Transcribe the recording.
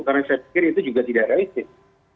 karena saya pikir itu juga tidak realistis